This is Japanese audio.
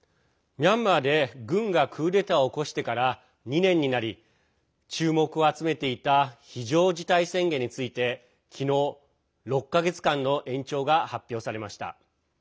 ミャンマーで軍がクーデターを起こしてから２年になり注目を集めていた非常事態宣言について昨日、６か月間の延長が発表されました。